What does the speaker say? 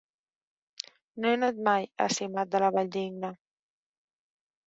No he anat mai a Simat de la Valldigna.